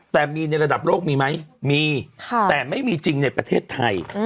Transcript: แต่มีในระดับโลกมีไหมมีแต่ไม่มีจริงในประเทศไทย